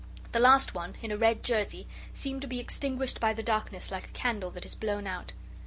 The last one, in a red jersey, seemed to be extinguished by the darkness like a candle that is blown out.